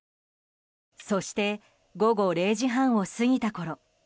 そして午後０時半を過ぎたころ